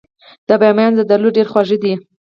د بامیان زردالو ډیر خواږه دي.